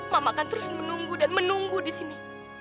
mama akan terus menunggu dan menunggu di sini